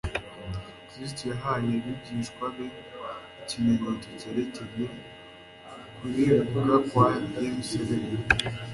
Kristo yahaye abigishwa be ikimenyetso cyerekeye kurimbuka kwa Yerusalemu